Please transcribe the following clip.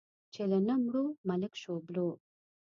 چې له نه مړو، ملک شوبلو.